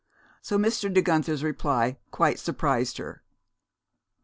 So Mr. De Guenther's reply quite surprised her.